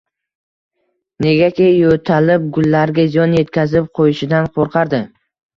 Negaki, yoʻtalib gullarga ziyon yetkazib qoʻyishidan qoʻrqardi.